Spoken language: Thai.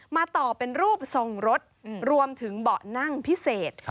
ต่อเป็นรูปทรงรถรวมถึงเบาะนั่งพิเศษ